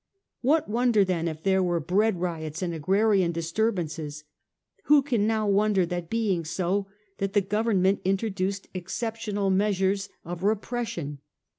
What wonder then if there were bread riots and agrarian disturbances ? Who can now wonder, that being so, that the Government introduced exceptional measures 420 A HISTORY OF OUR OWN TIMES. ch; rra. of repression?